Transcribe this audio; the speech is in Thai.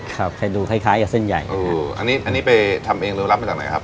ครับให้ดูคล้ายกับเส้นใหญ่อันนี้ไปทำเองหรือรับมาจากไหนครับ